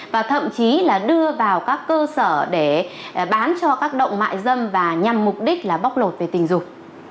và thậm chí là đưa vào các cơ sở để bán cho các động mại dâm và nhằm mục đích là bóc lột về tình dục